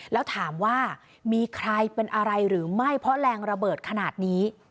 แล้วถามว่ามีใครเป็นอะไรหรือไม่เพราะแรงระเบิดขนาดนี้